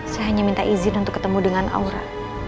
saya hanya minta izin untuk ketemu dengan aura